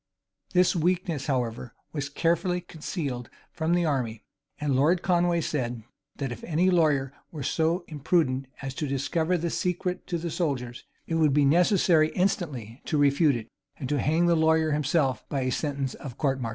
This weakness, however, was carefully concealed from the army, and Lord Conway said, that if any lawyer were so imprudent as to discover the secret to the soldiers, it would be necessary instantly to refute it, and to hang the lawyer himself by sentence of a court martial.